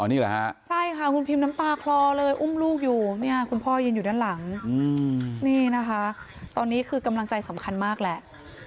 นี่แหละฮะใช่ค่ะคุณพิมน้ำตาคลอเลยอุ้มลูกอยู่เนี่ยคุณพ่อยืนอยู่ด้านหลังนี่นะคะตอนนี้คือกำลังใจสำคัญมากแหละ